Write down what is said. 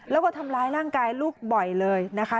แล้วก็ทำร้ายร่างกายลูกบ่อยเลยนะคะ